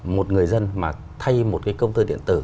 một người dân mà thay một cái công tơ điện tử